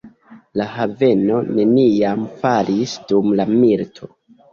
La haveno neniam falis dum la milito.